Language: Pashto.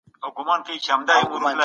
څه شی ملي بودیجه له لوی ګواښ سره مخ کوي؟